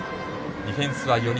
ディフェンスは４人。